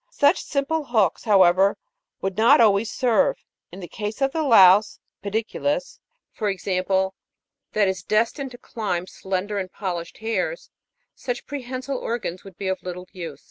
" Such simple hooks, however, would not always serve. In the case of the louse (pediculus\ for example, that is destined to climb slender and polished hairs, such prehensile organs would be of little use.